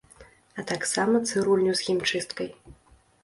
А таксама цырульню з хімчысткай.